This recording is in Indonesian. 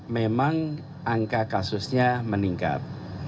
memang angka kasusnya meningkat